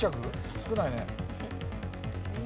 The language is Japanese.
少ないね。